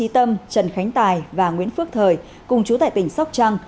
tâm trần khánh tài và nguyễn phước thời cùng chú tại tỉnh sóc trăng